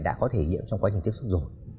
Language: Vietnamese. đã có thể hiện trong quá trình tiếp xúc rồi